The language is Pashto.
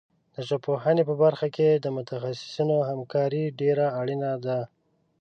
د ژبپوهنې په برخه کې د متخصصینو همکاري ډېره اړینه ده.